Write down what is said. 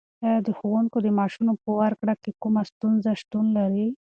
ایا د ښوونکو د معاشونو په ورکړه کې کومه ستونزه شتون لري؟